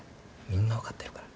みんな分かってるから。